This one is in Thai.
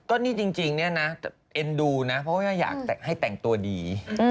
ก็นี่จริงเนี่ยนะเอ็นดูนะเพราะว่าอยากให้แต่งตัวดี